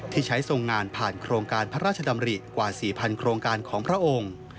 ที่ใช้ทรงงานผ่านโครงการพระราชดำริกว่า๔๐๐โครงการของพระองค์